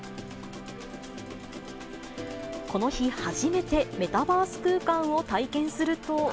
この日、初めてメタバース空間を体験すると。